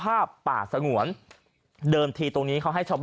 ท่านพรุ่งนี้ไม่แน่ครับ